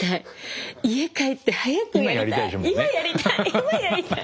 今やりたい